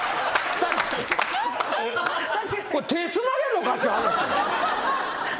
手つなげんのかっちゅう話や。